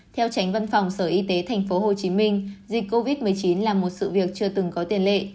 theo tránh văn phòng sở y tế thành phố hồ chí minh dịch covid một mươi chín là một sự việc chưa từng có tiền lệ